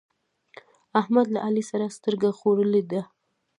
احمد له علي سره سترګه خوړلې ده.